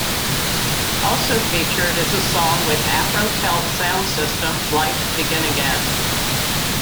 Also featured is a song with Afro Celt Sound System, "Life Begin Again".